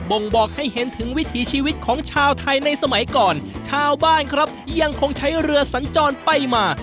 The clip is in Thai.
่งบอกให้เห็นถึงวิถีชีวิตของชาวไทยในสมัยก่อนชาวบ้านครับยังคงใช้เรือสัญจรไปมา